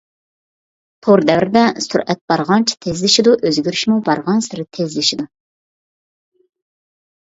تور دەۋرىدە، سۈرئەت بارغانچە تېزلىشىدۇ، ئۆزگىرىشمۇ بارغانسېرى تېزلىشىدۇ.